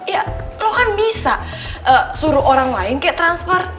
ya loh kan bisa suruh orang lain kayak transfer